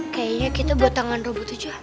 kayaknya kita buat tangan robot aja